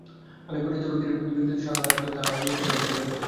অনেক পরিচিত ব্যক্তির সহিত সাক্ষাৎ হইল, তাঁহার সম্বন্ধে কথাবার্তা হইতে লাগিল।